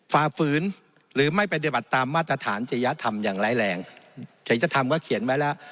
ฟาฟื้นหรือไม่ประโยชน์ตามมาตรฐานเจยะธรรมอย่างไร้แรงเจยะธรรมก็เขียนไว้แล้ว